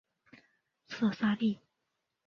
色萨利。